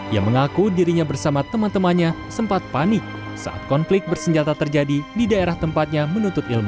ia mengaku dirinya bersama teman temannya sempat panik saat konflik bersenjata terjadi di daerah tempatnya menuntut ilmu